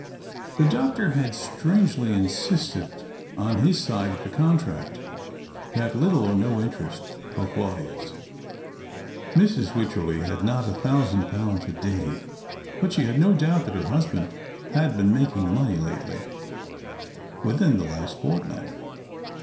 The doctor had strangely insisted on his side of the contract — it had little or no interest for Claudius. Mrs. Wycherley had not a thousand pounds a day, but she had no doubt that her husband had been making money lately — within the last fortnight.